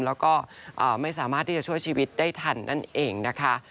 แล้วก็ไม่สามารถที่จะช่วยชีวิตได้ทันนั่นเองนะคะ